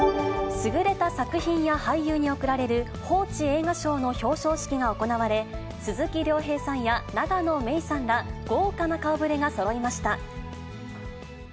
優れた作品や俳優に贈られる、報知映画賞の表彰式が行われ、鈴木亮平さんや永野芽郁さんら豪華な顔ぶれがそろいました。